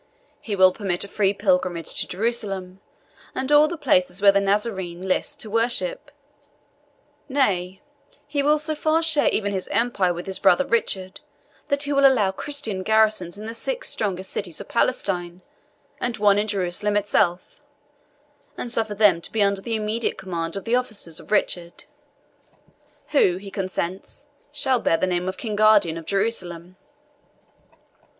He will permit a free pilgrimage to Jerusalem, and all the places where the Nazarenes list to worship; nay, he will so far share even his empire with his brother Richard, that he will allow Christian garrisons in the six strongest cities of Palestine, and one in Jerusalem itself, and suffer them to be under the immediate command of the officers of Richard, who, he consents, shall bear the name of King Guardian of Jerusalem.